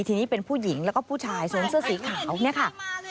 ทีนี้เป็นผู้หญิงแล้วก็ผู้ชายสวมเสื้อสีขาวเนี่ยค่ะ